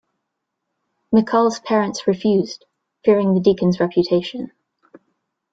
McCall's parents refused, fearing the Deacon's reputation.